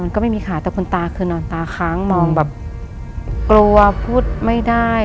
ก็ไม่มีขาแต่คุณตาคือนอนตาค้างมองแบบกลัวพูดไม่ได้